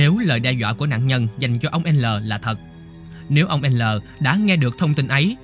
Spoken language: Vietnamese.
nếu lời đe dọa của nạn nhân dành cho ông nl là thật nếu ông nl đã nghe được thông tin ấy